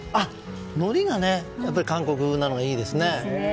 のりが韓国のりなのがいいですね。